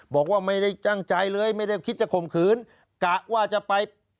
บอกว่าไม่ได้ตั้งใจเลยไม่ได้คิดจะข่มขืนกะว่าจะไป